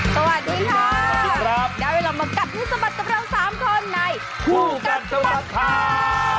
สวัสดีค่ะได้เวลามากับผู้สบัดสำเร็ว๓คนในผู้กัดสบัดข่าว